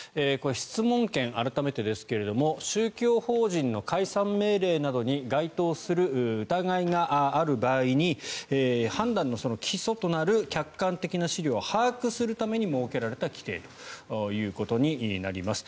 質問権、改めてですが宗教法人の解散命令などに該当する疑いがある場合に判断の基礎となる客観的な資料を把握するために設けられた規定となります。